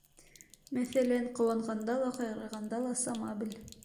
Мәҫәлән, Ҡыуанғанда ла, ҡайғырғанда ла сама бел.